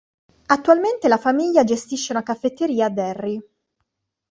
Attualmente la famiglia gestisce una caffetteria a Derry.